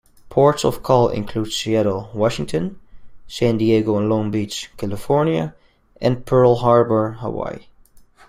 Ports-of-call included Seattle, Washington; San Diego and Long Beach, California; and Pearl Harbor, Hawaii.